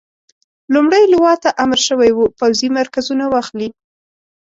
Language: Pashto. لومړۍ لواء ته امر شوی وو پوځي مرکزونه واخلي.